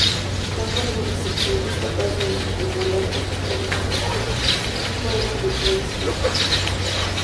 Quitando alguna excepción, es capaz de emular perfectamente cualquier juego de PlayStation.